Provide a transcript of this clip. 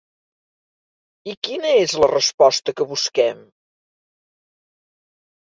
I quina és la resposta que busquem?